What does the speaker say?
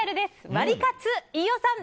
ワリカツ、飯尾さん